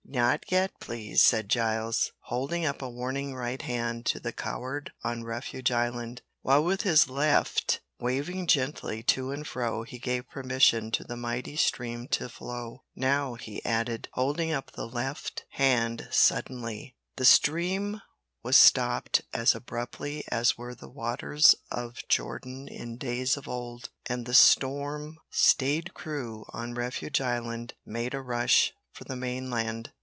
"Not yet, please," said Giles, holding up a warning right hand to the crowd on refuge island, while with his left waving gently to and fro he gave permission to the mighty stream to flow. "Now," he added, holding up the left hand suddenly. The stream was stopped as abruptly as were the waters of Jordan in days of old, and the storm staid crew on refuge island made a rush for the mainland.